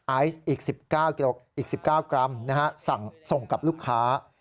ไอซ์อีก๑๙กรัมส่งกับลูกค้า